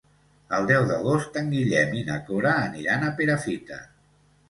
El deu d'agost en Guillem i na Cora aniran a Perafita.